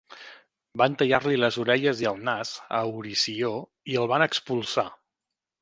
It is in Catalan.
Van tallar-li les orelles i el nas a Eurició i el van expulsar.